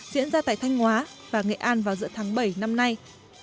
diễn ra tại thanh hóa và nghệ an vào giữa tháng bảy năm nay